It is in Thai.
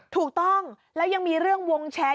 ถูกต้องแล้วยังมีเรื่องวงแชร์